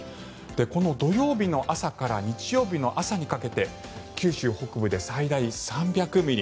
この土曜日の朝から日曜日の朝にかけて九州北部で最大３００ミリ。